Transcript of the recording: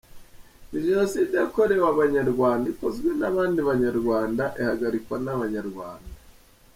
Ni Jenoside yakorewe Abanyarwanda ikozwe n’abandi banyarwanda ihagarikwa n’Abanyarwanda.